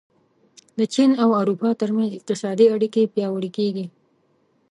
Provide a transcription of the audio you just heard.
د چین او اروپا ترمنځ اقتصادي اړیکې پیاوړې کېږي.